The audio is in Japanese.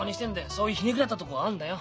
そういうひねくれたとこあんだよ。